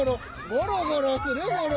ゴロゴロするゴロ。